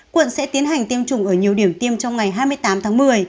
quận sẽ tiến hành tiêm chủng ở nhiều điểm tiêm trong ngày hai mươi tám tháng một mươi